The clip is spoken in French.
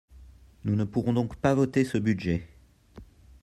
Nous ne pourrons donc pas voter ce budget.